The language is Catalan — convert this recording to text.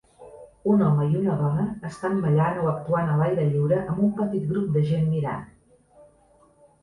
Un home i una dona estan ballant o actuant a l'aire lliure amb un petit grup de gent mirant.